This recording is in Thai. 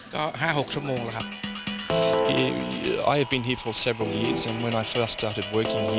ก็๕๖ชั่วโมงแล้วครับ